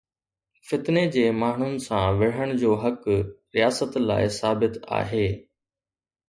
فتني جي ماڻهن سان وڙهڻ جو حق رياست لاءِ ثابت آهي.